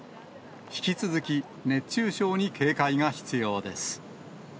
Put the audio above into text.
引き続き、熱中症に警戒が必要です。